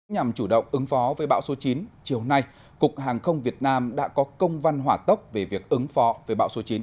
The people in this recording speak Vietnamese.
nhằm chủ động ứng phó với bão số chín chiều nay cục hàng không việt nam đã có công văn hỏa tốc về việc ứng phó với bão số chín